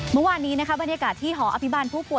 เมื่อวานนี้นะคะบรรยากาศที่หออภิบาลผู้ป่